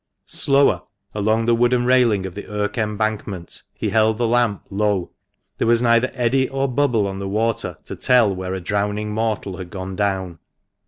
Slower, along the wooden railing of the Irk embankment, he held the lamp low. There was neither eddy or bubble on the water to tell where a drowning mortal had gone down.